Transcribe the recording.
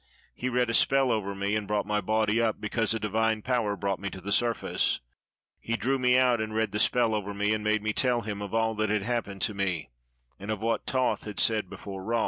He read a spell over me, and brought my body up, because a divine power brought me to the surface. He drew me out, and read the spell over me, and made me tell him of all that had happened to me, and of what Thoth had said before Ra.